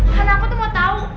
karena aku tuh mau tau